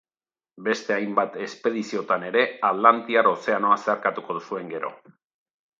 Beste hainbat espediziotan ere Atlantiar Ozeanoa zeharkatuko zuen gero.